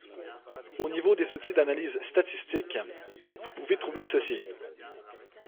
Au niveau des outils d’analyse statique, vous pouvez trouver ceci.